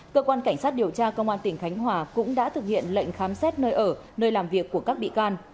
cơ quan cảnh sát điều tra công an tỉnh khánh hòa cũng đã thực hiện lệnh khám xét nơi ở nơi làm việc của các bị can